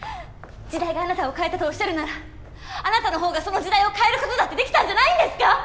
時代があなたを変えたとおっしゃるならあなたの方がその時代を変えることだってできたんじゃないんですか？